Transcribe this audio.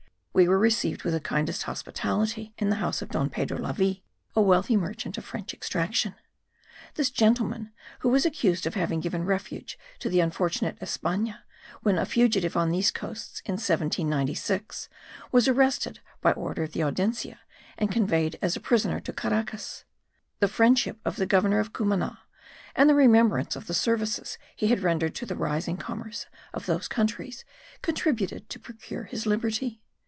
We were received with the kindest hospitality in the house of Don Pedro Lavie, a wealthy merchant of French extraction. This gentleman, who was accused of having given refuge to the unfortunate Espana when a fugitive on these coasts in 1796, was arrested by order of the Audiencia, and conveyed as a prisoner to Caracas. The friendship of the governor of Cumana and the remembrance of the services he had rendered to the rising commerce of those countries contributed to procure his liberty.